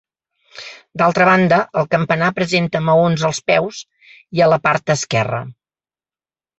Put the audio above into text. D'altra banda, el campanar presenta maons als peus i a la part esquerra.